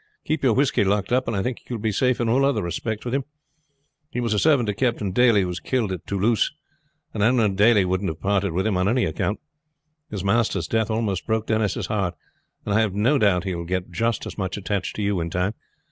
Keep your whisky locked up, and I think you will be safe in all other respects with him. He was servant to Captain Daly, who was killed at Toulouse, and I know Daly wouldn't have parted with him on any account. His master's death almost broke Denis' heart, and I have no doubt he will get just as much attached to you in time.